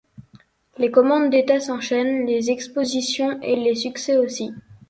Les commandes d'État s'enchaînent, les expositions et les succès aussi.